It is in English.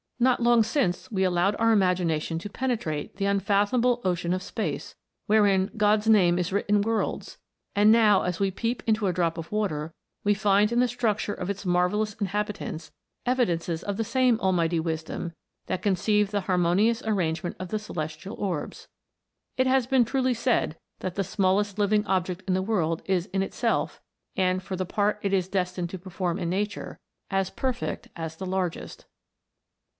Not 220 THE INVISIBLE WORLD. long since we allowed our imagination to penetrate the unfathomable ocean of space, wherein " God's name is writ in worlds;" and now as we peep into a drop of water, we find in the structure of its mar vellous inhabitants evidences of the same Almighty Wisdom that conceived the harmonious arrangement of the celestial orbs. It has been truly said, that the smallest living object in the world is in itself, and for the part it is destined to perform in nature, as perfect as the largest.